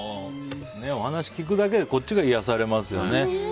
お話を聞くだけでこっちが癒やされますよね。